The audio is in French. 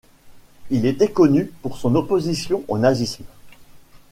Il était connu pour son opposition au nazisme.